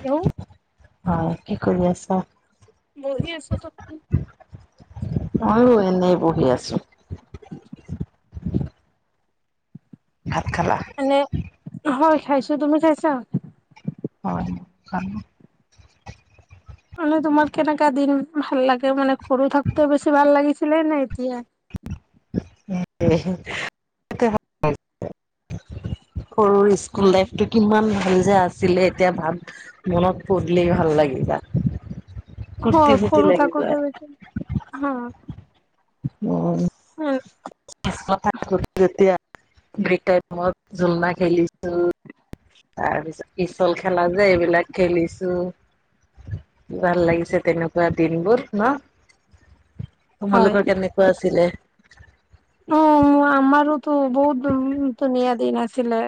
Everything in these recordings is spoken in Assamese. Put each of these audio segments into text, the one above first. হেল্লো হয়, কি কৰি আছা? বহি আছো। তো- ময়ো এনেই বহি আছো। [unintelligible] ভাত খালা? এনে হয় খাইছো। তুমি খাইছা? হয়, খালোঁ। মানে তোমাৰ কেনেকা দিন ভাল লাগে? মানে সৰু থাকোতে বেছি ভাল লাগিছিলে নে এতিয়া? [unintelligible] সৰু স্কুল লাইফটো- কিমান ভাল যে আছিলে এতিয়া ভাৱ মনত পৰিলেই ভাল লাগি যায়। ফূৰ্তি হয়, ফূৰ্তি সৰু লাগি যায়। থাকোতে বেছি হা। উম উম। কথা যেতিয়া ব্ৰেক টাইমত মই ঝুলনা খেলিছো। তাৰ পিছত পিছল খেলা যে এইবিলাক খেলিছো। ভাল লাগিছে তেনেকুৱা দিনবোৰ ন'? [unintelligible] তোমালোকৰ কেনেকুৱা আছিলে? অঁ উম আমাৰোতো বহুত ধুন ধুনীয়া দিন আছিলে।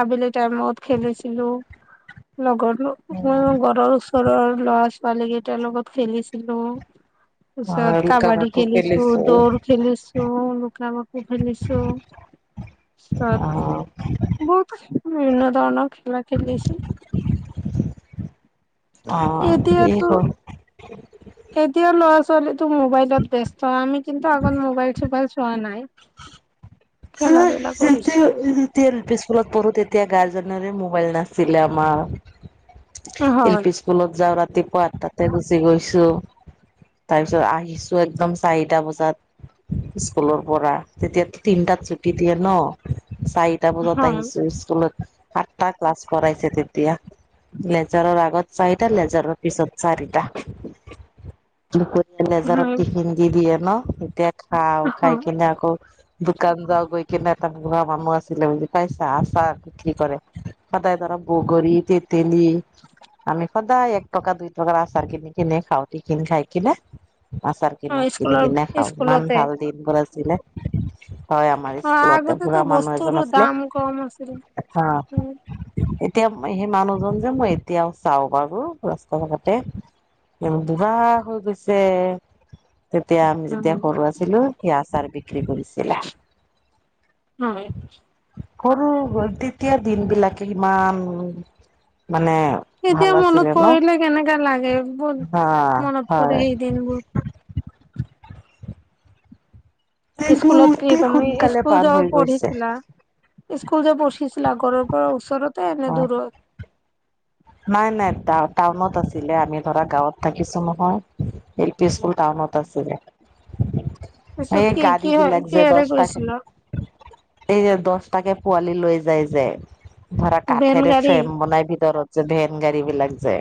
আবেলি টাইমত খেলিছিলো, লগটো উম ওম ঘৰৰ ওচ- ঘৰৰ ল'ৰা ছোৱালী কেইটাৰ লগত খেলিছিলো। পিচত লুকা কাবাডি ভাকু খেলিছো, দৌৰ খেলিছো, লুক ভাকু খেলিছো। ত অ বহুত বিভিন্ন ধৰণৰ খেলা খেলিছো। অ এই এতিয়াতো- হয় এতিয়াৰ ল'ৰা ছোৱালীতো মোবাইলত ব্যস্ত, আমি কিন্তু আগত মোবাইল চোবাইল চোৱা নাই। খেলা আঁহ ধূলা সেইটো কৰিছো এ- তিৰ স্কুলত পঢ়ো তেতিয়া গাৰ্জেনোৰে মোবাইল নাছিলে আমাৰ। এল হয় পি স্কুলত যাওঁ ৰাতিপুৱা আঠ তাতে গুচি গৈছো। তাৰপিছত আহিছো একদম চাৰিটা বজাত- স্কুলৰ পৰা। তেতিয়া তিনটাত- চুটি দিয়ে ন, চাৰিটা বজাত হয় আহিছো স্কুলত- আঠটা ক্লাছ কৰাইছে তেতিয়া। লেজাৰৰ আগত চাৰিটা লেজাৰৰ পিছত চাৰিটা। নোখোৱাই লেজাৰত হয় টিফিন দি দিয়ে ন', তেতিয়া খাওঁ খাই হয় কিনে আকৌ- দোকান যাও গৈ কেনে এটা বুঢা মানুহ আছিলে বুজি পাইছা আচাৰ বিক্ৰী কৰে। সদায় তাৰ বগৰি তেতেলি আমি- সদায় এক টকা দুই টকাৰ আচাৰ কিনি কিনি খাওঁ টিফিন খাই কিনে আচাৰ- অ কিনো কিনি স্কুলৰ কিনে খাওঁ, ইমান স্কুলতে ভাল দিন বোৰ আছিলে। হয় আমাৰ অ স্কুলতে, আগতেতো বুঢ়া মানুহ বস্তুৰো এজন আছিলে। দাম কম আছিল এটা- এতিয়া সেই মানুহজন যে মই এতিয়াও চাও বাৰু ৰাস্তা কাষতে। বুঢ়া হৈ গৈছে। তেতিয়া আমি যেতিয়া উম সৰু আছিলো, সি আচাৰ বিক্ৰী কৰিছিলে। হয়। সৰু তেতিয়া দিন বিলাকে ইমান মানে- এতিয়া ভাল মনত আছিলে ন'? পৰিলে কেনেকা লাগে বহুত হা মনত পৰে হয়। সেই দিনবোৰ এইবোৰ স্কুলত কি অতি তুমি সোনকালে স্কুল পাৰ যাব হৈ গৈছে পঢ়িছিলা? স্কুল যে পঢ়িছিলা ঘৰৰ পৰা ওচৰতে এনে অ দূৰত? নাই নাই টাউনত আছিলে আমি ধৰা গাঁৱত থাকিছো নহয়। এল পি স্কুল টাউনত আছিলে। পিছত এই কি কি হয় গাৰিবিলাক যে কিহেৰে গৈছিলা দহটাকে- এই দহটাকে পোৱালি লৈ যায় যে। ধৰা ভেন কাঠেৰে গাড়ী ফ্ৰেম বনাই ভিতৰত যে ভেন গাড়ী বিলাক যে।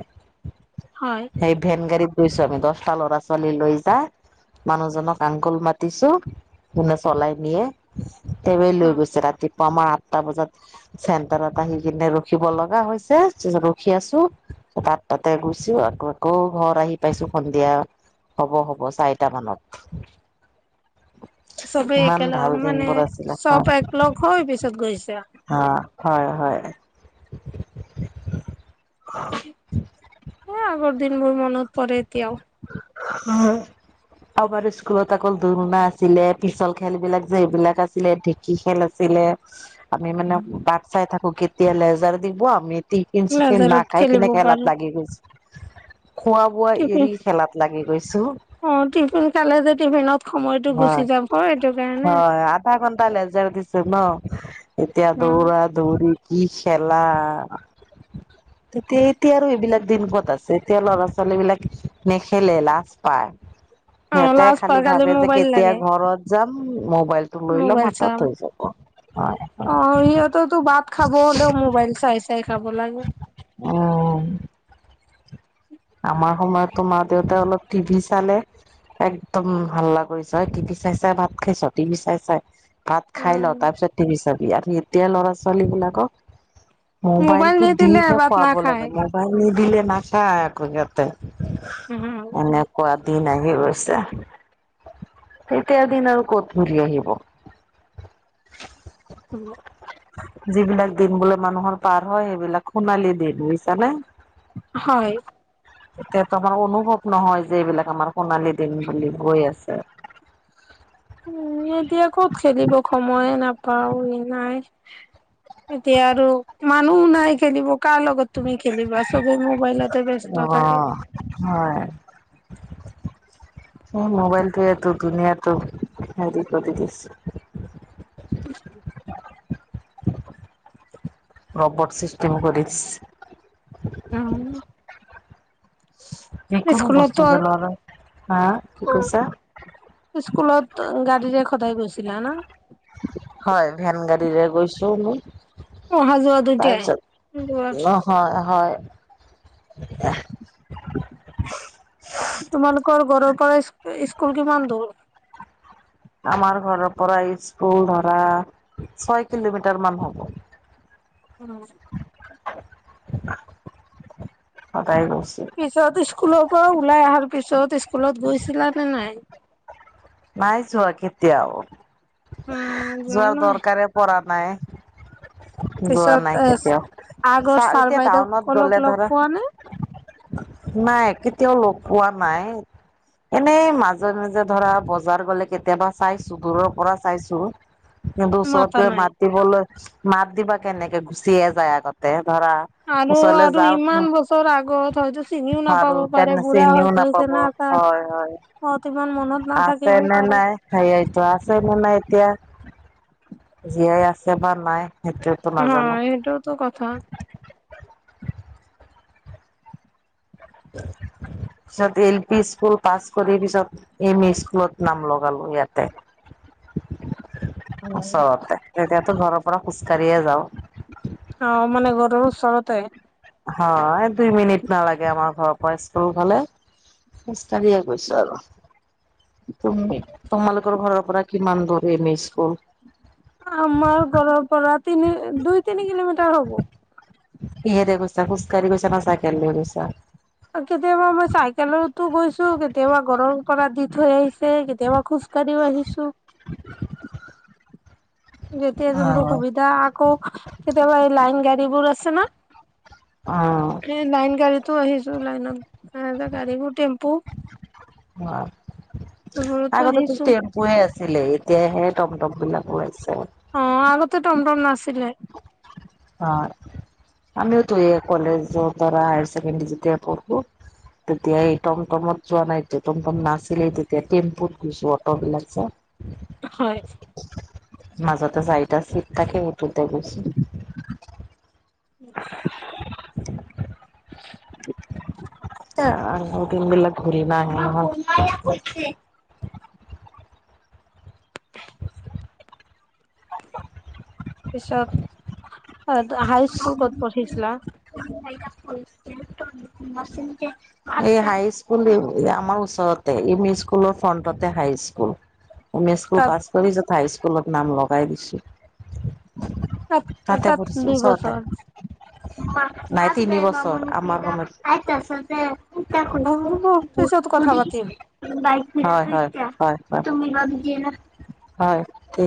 হয়। সেই ভেন গাড়ীত গৈছো আমি দহটা ল'ৰা ছোৱালী লৈ যায়। মানুহজনক আংকুল মাতিছো, কোনে চলাই নিয়ে তেওঁ অ লৈ গৈছে ৰাতি- আমাৰ আঠটা বজাত চেন্টাৰত আহি কিনে ৰখিব লগা হৈছে। সিজন ৰখি আছো তাত তাতে গৈছো আকৌ আকৌ ঘৰ আহি পাইছো সন্ধিয়া। হ'ব হ'ব চাৰিটা মানত। [unintelligible] চবেই ইমান একেলগ ভাল মানে দিনবোৰ আছিলে চব একলগ হৈ পিছত গৈছে। আঁ হয় হয়। মোৰো আগৰ দিন বোৰ মনত পৰে এতিয়াও। হয়। আমাৰ স্কুলত আকৌ ঝুলণা আছিলে পিছল খেল বিলাক যে এইবিলাক আছিলে ঢেঁকী খেল আছিলে। [unintelligible] আমি মানে বাট চাই থাকো কেতিয়া লেজাৰ দিব আমি- টিফিন চিফিন লেজাৰত নাখাই খেলিব কিনে খেলাত পাৰো লাগি গৈছিলোঁ। খোৱা বোৱা টিফিন এৰি খেলাত। লাগি গৈছো অ টিফিন খালে যে টিফিনত সময়টো গুচি হয় যাব সেইটো কাৰণে। হয় আধা ঘন্টা লেজাৰ দিছো ন, এতিয়া উম দৌৰা দৌৰি- কি খেলা। তেতিয়া এতিয়া আৰু এইবিলাক দিন ক'ত আছে? এতিয়া ল'ৰা ছোৱালী বিলাকে- খেলে লাজ পায়। অ সিহঁতে লাজ পাই খালি কালি ভাবে যে মোবাইল কেতিয়া লাগে ঘৰত যাম মোবাইল- টো লৈ লম মোবাইল হাতত চাম হৈ যাব। হয় অ সিহঁতৰতো ভাত খাব হ'লেও মোবাইল চাই চাই খাব লাগে। অঁ আমাৰ সময়তো মা দেউতাই অলপ টিভি চালে- একদম হাল্লা কৰিছ টিভি চাই চাই ভাত খাইছ টিভি চাই চাই। ভাত খাই ল উম তাৰ পিছত তিভি চাবি। আৰু এতিয়া ল'ৰা ছোৱালী বিলাকক- মোবাইল মোবাইলটো দি নিদিলে হে ভাত খুৱাব নাখায় লাগে। ম- বাইল নিদিলে নাখায় একো সিহঁতে এনেকুৱা- দিন আহি গৈছে। তেতিয়া দিন আৰু ক'ত ঘুৰি আহিব। [unintelligible] যিবিলাক দিন বোলে মানুহৰ পাৰ হয় সেইবিলাক সোণালী দিন বুইছানে হয় এতিয়াতো আমাৰ অনুভৱ নহয় যে এইবিলাক আমাৰ সোণালী দিন বুলি গৈ আছে উম এতিয়া ক'ত খেলিব সময়ে নাপাও নাই এতিয়া আৰু মানুহ নাই খেলিব কাৰ লগত তুমি খেলিবা চবে মোবাইলতে ব্যস্ত থাকে অ', হয় এ মোবাইলটোয়ে দু দুনীয়াটো হেৰি কৰি দিছে [unintelligible] ৰ'বট চিষ্টেম কৰি দিছ অ যিকোনো বস্তু স্কুলতো পেলোৱা নাই, হা কি কৈছা? স্কুলত গাড়ীৰে সদায় গৈছিলা না হয় ভেন গাড়ীৰে গৈছো মু অহা যোৱা দুইটাই তাৰপিছত ন হয় হয় এহ তোমালোকৰ ঘৰৰ পৰা স্কু স্কুল কিমান দূৰ? আমাৰ ঘৰৰ পৰা স্কুল ধৰা ছয় কিলোমিটাৰ মান হ'ব উম সদায় গৈছ পিছত স্কুলৰ পৰা ওলাই আহাৰ পিছত স্কুলত গৈছিলা নে নাই? নাই যোৱা কেতিয়াও উম যোৱা যোৱাৰ নাই দৰকাৰে পৰা নাই যোৱা পিছত নাই এ কেতিয়াও আগৰ চা ছাৰ এতিয়া টাউনত বাইদেউসকলক গলে লগ ধৰা পোৱা নে নাই কেতিয়াও লগ পোৱা নাই এনেই মাজে- মাজে ধৰা ব জাৰ গলে কেতিয়াবা চাইছো দূৰৰ পৰা চাইছো কিন্তু ওচৰত মাতা গৈ নাই মাত দিবলৈ মাত দিবা কেনেকে গুচিয়ে যায় আগতে ধৰা আৰু ওচৰলে আৰু যাওঁ ইমান বছৰ আগত হয়তো চিনিও আৰু নাপাব পাৰে তেনে বুঢ়া চিনিও হৈ নাপাব গৈছে না হয় হয় অটো ইমান মনত নাথাকে তেনে নাই সেয়াইতো আছে নে এতিয়া, জীয়াই আছে বা নাই সেইটো হয় সেইটোতো কথা [inaudible] পিছত এল পি স্কুল পাছ কৰি পিছত এম ই স্কুলত নাম লগালো ইয়াতে অ ওচৰতে তেতিয়াতো ঘৰৰ পৰা খোজ কঢ়িয়ে যাওঁ অ মানে ঘৰৰ ওচৰতে হয় দুই মিনিট নালাগে আমাৰ ঘৰৰ পৰা স্কুল গলে খোজকাঢ়িয়ে গৈছো আৰু তুমি তোমালোকৰ ঘৰৰ পৰা কিমান দূৰ এম ই স্কুল? আমাৰ ঘৰৰ পৰা তিনি দুই তিনি কিলোমিটাৰ হ'ব কিহে দি গৈছা খোজকাৰী গৈছা নে চাইকেল দি গৈছা? কেতিয়াবা মই চাইকেলতো গৈছো কেতিয়াবা ঘৰৰ পৰা দি থৈ আহিছে কেতিয়াবা খোজ কাঢ়ি ও আহিছো [inaudible] যেতিয়া অ যোনটো সুবিধা আকৌ কেতিয়াবা এই লাইন গাড়ীবোৰ আছে না অঁ এই লাইন গাড়ীতো আহিছো লাইনত। আহোঁতে গাড়ীবোৰ টম্পু হয় ঘূৰোতে আহিছো। গৈ আছিলে। এতিয়াহে টমটম বিলাক ওলাইছে। অ আগতে টমটম নাছিলে। হয়। আমিওতো এই কলেজ পৰা হায়াৰ চেকেণ্ড যতিয়া পঢ়ো- তেতিয়া এই টমটমত যোৱা নাইতো টমটম নাছিলেই তেতিয়া টেম্পুত গৈছো অটবলাক যে। হয়। মাজতে চাৰিটা চিট থাকে সেইটোতে গৈছো। [unintelligible] উম [unintelligible] তে আ দিন বিলাক ঘূৰি নাহে নহ। [unintelligible] পিছত, তই হাই স্কুল ক'ত পঢ়িছিলা? [unintelligible] এই হাই স্কুল আমাৰ ওচৰতে ইম ই স্কুলৰ ফ্ৰন্টতে হাই স্কুল। [unintelligible] উমেন স্কুল তাত পাছ কৰি যত হাই স্কুলত নাম লগাই দিছো। তাত তাতে তাত বহুত দুই ওচৰতে। বছৰ নাই তিনি বছৰ আমাৰ ঘৰত। অ পিছত কথা পাতিম [unintelligible] হয় হয় হয় হয় হয়। ঠিক